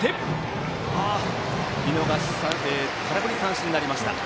空振り三振になりました。